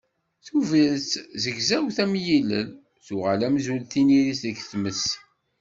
Tubiret zegzawen am yilel, tuɣal amzun d tiniri seg tmes